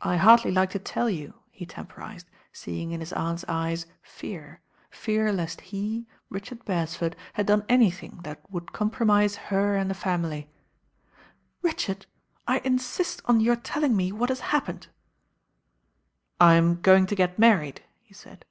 "I hardly lilce to tell you," he temporised, seeing in his aunt's eyes fear, fear lest he, Richard Beres ford, had done anything that would compromise her and the family. "Richard, I insist on your telling me what has happened." "I'm going to get married," he said.